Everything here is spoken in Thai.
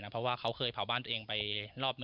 เพราะว่าเขาเคยเผาบ้านตัวเองไปรอบ๑